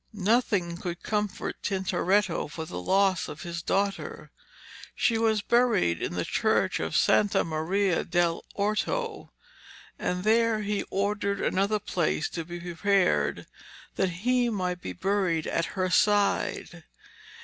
Nothing could comfort Tintoretto for the loss of his daughter. She was buried in the church of Santa Maria dell' Orto, and there he ordered another place to be prepared that he might be buried at her side.